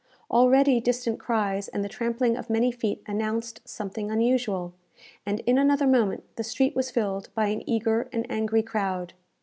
Already distant cries and the trampling of many feet announced something unusual, and in another moment the street was filled by an eager and angry crowd.